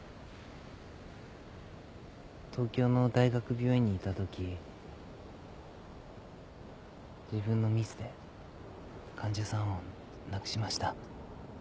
東京の大学病院にいたとき自分のミスで患者さんを亡くしました。